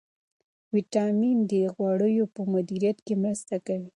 ویټامین ډي د غوړو په مدیریت کې مرسته کوي.